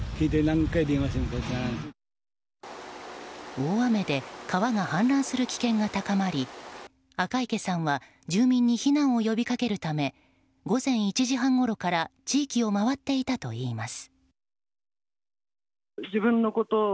大雨で川が氾濫する危険が高まり赤池さんは住民に避難を呼びかけるため午前１時半ごろから地域を回っていたといいます。